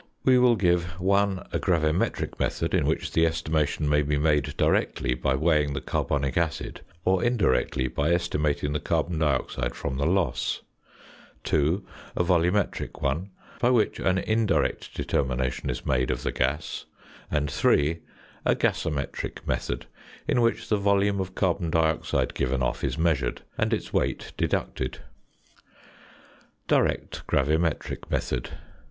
We will give (1) a gravimetric method in which the estimation may be made directly by weighing the carbonic acid, or, indirectly, by estimating the carbon dioxide from the loss; (2) a volumetric one, by which an indirect determination is made of the gas; and (3) a gasometric method, in which the volume of carbon dioxide given off is measured, and its weight deducted. [Illustration: FIG. 79.] [Illustration: FIG. 80.] ~Direct Gravimetric Method.